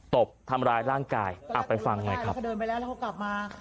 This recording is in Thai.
ตบทำร้ายร่างกายอ่ะไปฟังไงครับ